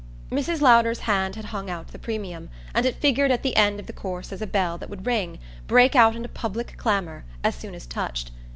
Mrs. Lowder's hand had hung out the premium, and it figured at the end of the course as a bell that would ring, break out into public clamour, as soon as touched.